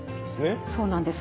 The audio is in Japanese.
そうなんです。